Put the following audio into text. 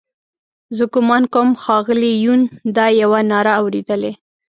زه ګومان کوم ښاغلي یون دا یوه ناره اورېدلې.